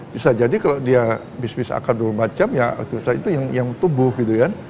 bisa jadi kalau dia bisnis akal dua puluh empat jam ya aktivitas itu yang tumbuh gitu ya